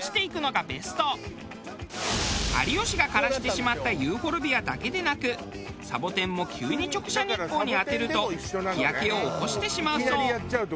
有吉が枯らしてしまったユーフォルビアだけでなくサボテンも急に直射日光に当てると日焼けを起こしてしまうそう。